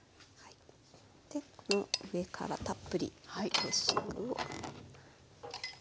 でこれを上からたっぷりドレッシングを。